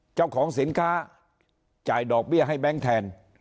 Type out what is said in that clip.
เจ้าของสินค้าจ่ายดอกเบี้ยให้แบงค์แทน